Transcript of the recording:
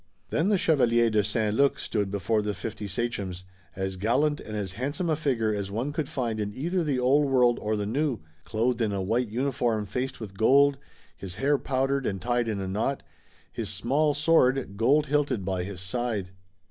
Then the Chevalier de St. Luc stood before the fifty sachems, as gallant and as handsome a figure as one could find in either the Old World or the New, clothed in a white uniform faced with gold, his hair powdered and tied in a knot, his small sword, gold hilted, by his side.